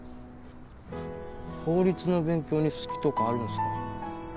法律の勉強に好きとかあるんすか？